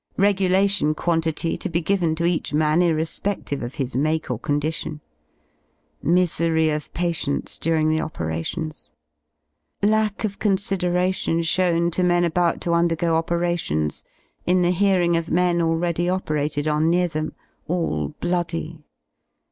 Regulation quantity to be given to .J each man irrespedlive of his make or condition; misery of patients during the operations; lack of consideration shown to men about to undergo operations in the hearing of men already operated on near them, all bloody.